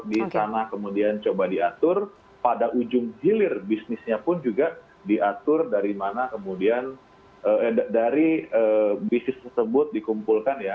di sana kemudian coba diatur pada ujung hilir bisnisnya pun juga diatur dari mana kemudian dari bisnis tersebut dikumpulkan ya